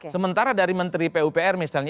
sementara dari menteri pupr misalnya